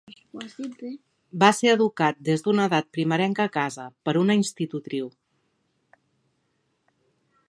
Va ser educat des d'una edat primerenca a casa, per una institutriu.